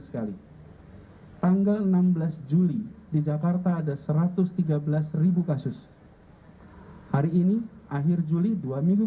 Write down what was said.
sekali tanggal enam belas juli di jakarta ada satu ratus tiga belas kasus hari ini akhir juli dua minggu